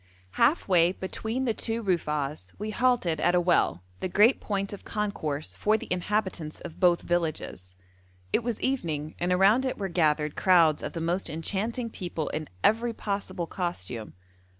Half way between the two Rufa'as we halted at a well, the great point of concourse for the inhabitants of both villages. It was evening, and around it were gathered crowds of the most enchanting people in every possible costume.